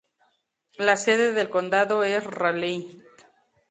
La sede del condado es Raleigh.